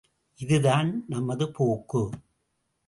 இதுதான் நமது போக்கு!